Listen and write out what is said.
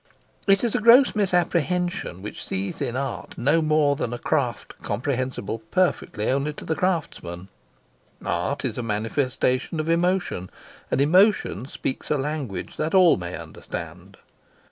It is a grotesque misapprehension which sees in art no more than a craft comprehensible perfectly only to the craftsman: art is a manifestation of emotion, and emotion speaks a language that all may understand.